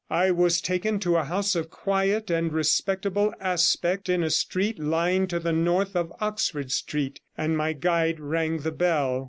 I was taken to a house of quiet and respectable aspect in a street lying to the north of Oxford Street, and my guide rang the bell.